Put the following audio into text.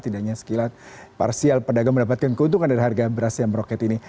tidaknya sekilas parsial pedagang mendapatkan keuntungan dari harga beras yang meroket ini